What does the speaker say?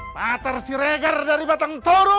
patar siregar dari batang toru